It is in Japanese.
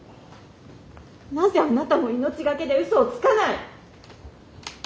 なぜあなたも命懸けで嘘をつかない！